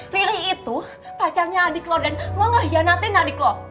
riri itu pacarnya adik lo dan lo gak nganatin adik lo